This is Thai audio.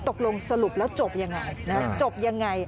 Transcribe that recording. ตกลงสรุปแล้วจบอย่างไรจบอย่างไร